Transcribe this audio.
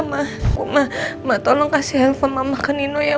mbak tolong kasih telfon mbak elsa ke nino ya